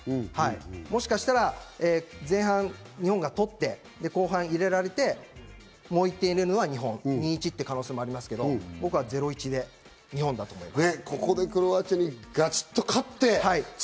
もしかしたら、前半、日本が取って、後半入れられて、もう１点入れるのは日本、２対１って可能性もあるけど、僕は０対１で日本だと思います。